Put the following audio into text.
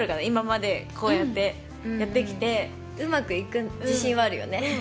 今までこうやってやってきてうまくいく自信はあるよね